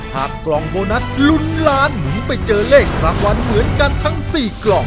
กล่องโบนัสลุ้นล้านหมุนไปเจอเลขรางวัลเหมือนกันทั้ง๔กล่อง